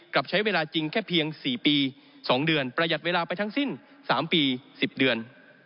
กลับใช้เวลาจริงแค่เพียงสี่ปีสองเดือนประหยัดเวลาไปทั้งสิ้นสามปีสิบเดือน